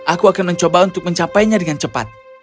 aku akan mencoba untuk mencapainya dengan cepat